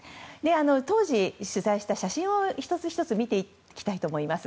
当時、取材した写真を１つ１つ見ていきたいと思います。